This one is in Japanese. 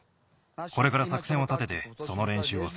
これからさくせんを立ててそのれんしゅうをする。